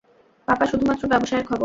পাপা, শুধুমাত্র ব্যবসায়ের খবর।